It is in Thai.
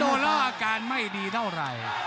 ดูแล้วอาการไม่ดีเท่าไหร่